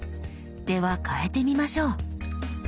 では変えてみましょう。